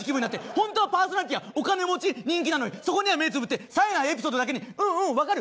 本当はパーソナリティーはお金持ち人気なのにそこには目つぶってさえないエピソードだけに「うんうんわかる。